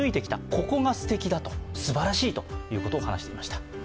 ここがすてきだと、すばらしいということを話していました。